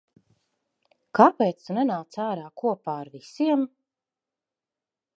Kāpēc tu nenāc āra kopā ar visiem?